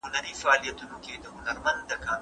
بهرنیو چارو وزارت د نړۍ له هېوادونو سره دښمني نه پالي.